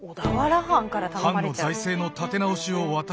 藩の財政の立て直しを私に。